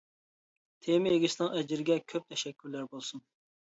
تېما ئىگىسىنىڭ ئەجرىگە كۆپ تەشەككۈرلەر بولسۇن.